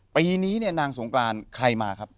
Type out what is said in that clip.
ปีนี้นางสงการใครมา